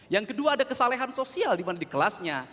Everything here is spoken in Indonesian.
yang kedua ada kesalahan sosial dimana di kelasnya